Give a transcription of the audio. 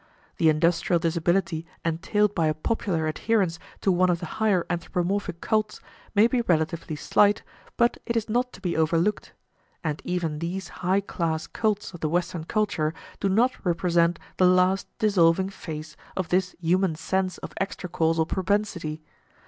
The industrial disability entailed by a popular adherence to one of the higher anthropomorphic cults may be relatively slight, but it is not to be overlooked. And even these high class cults of the Western culture do not represent the last dissolving phase of this human sense of extra causal propensity.